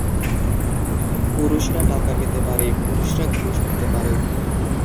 পুরুষরা টাকা পেতে পারে, পুরুষরা ঘুষ নিতে পারে।